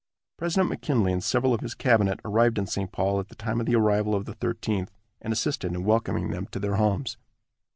President McKinley and several of his cabinet arrived in St. Paul at the time of the arrival of the Thirteenth, and assisted in welcoming them to their homes.